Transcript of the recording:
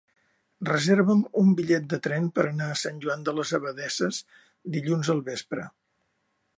Reserva'm un bitllet de tren per anar a Sant Joan de les Abadesses dilluns al vespre.